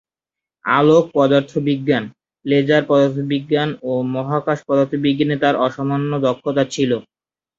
আলোক পদার্থবিজ্ঞান, লেজার পদার্থবিজ্ঞান ও মহাকাশ পদার্থবিজ্ঞানে তাঁর অসামান্য দক্ষতা ছিল।